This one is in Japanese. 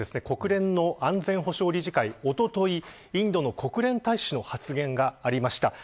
国連の安全保障理事会おととい、インドの国連大使の発言がありました。